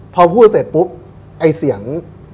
พอพูดเสร็จปุ๊บไอ้เสียง